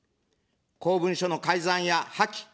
公文書の改ざんや破棄。